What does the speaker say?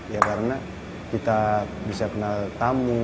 ya karena kita bisa kenal tamu